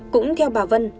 cũng theo bà vân